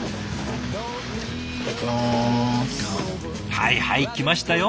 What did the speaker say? はいはい来ましたよ。